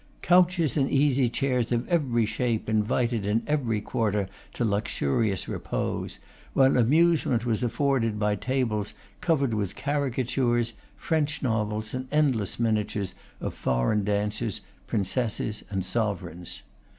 Couches and easy chairs of every shape invited in every quarter to luxurious repose; while amusement was afforded by tables covered with caricatures, French novels, and endless miniatures of foreign dancers, princesses, and sovereigns.